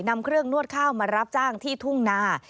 นำเครื่องนวดข้าวมารับจ้างที่ทุ่งนา